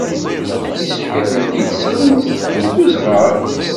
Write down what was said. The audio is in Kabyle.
Yessefk ad tent-id-sɣent deg uzɣar.